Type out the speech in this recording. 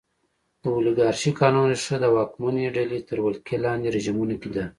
د اولیګارشۍ قانون ریښه د واکمنې ډلې تر ولکې لاندې رژیمونو کې ده.